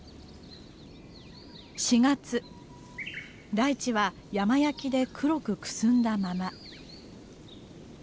台地は山焼きで黒くくすんだまま。